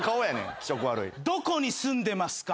どこに住んでますか？